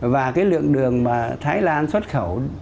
và cái lượng đường mà thái lan xuất khẩu